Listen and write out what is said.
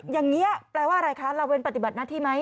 อย่างนี้แปลว่าอะไรคะละเว้นปฏิบัติหน้าที่ไหม